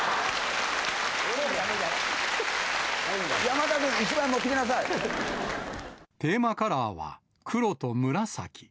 山田君、テーマカラーは黒と紫。